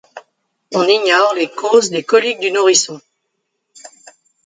On ignore les causes des coliques du nourrisson.